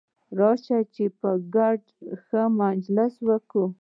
راسه چي په ګډه ښه مجلس وکو.